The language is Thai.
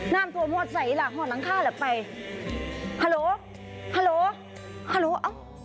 น้ำถวมหมดใส่หลังห่อนหลังค่าแหละไปฮัลโหลฮัลโหลฮัลโหลเอา